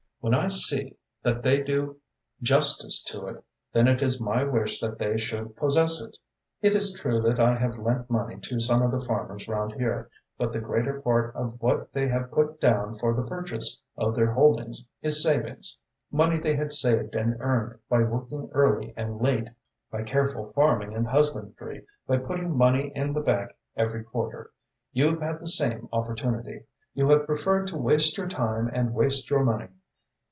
When I see that they do justice to it, then it is my wish that they should possess it. It is true that I have lent money to some of the farmers round here, but the greater part of what they have put down for the purchase of their holdings is savings, money they had saved and earned by working early and late, by careful farming and husbandry, by putting money in the bank every quarter. You've had the same opportunity. You have preferred to waste your time and waste your money.